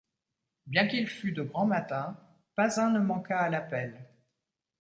Bien qu’il fût de grand matin, pas un ne manqua à l’appel.